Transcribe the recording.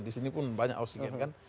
di sini pun banyak oksigen kan